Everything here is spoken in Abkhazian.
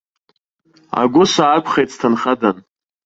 Агәы саақәхеит сҭынхадан.